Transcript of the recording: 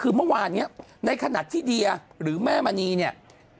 คือเมื่อวานอย่างนี้ในขณะที่เดียหรือแม่มันนี่เนี่ย